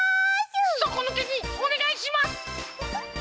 そこぬけにおねがいします！